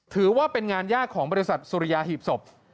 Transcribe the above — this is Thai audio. ถือว่าเป็นงานยากของบริษัทสุริยาหีบศพ